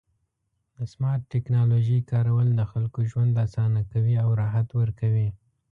د سمارټ ټکنالوژۍ کارول د خلکو ژوند اسانه کوي او راحت ورکوي.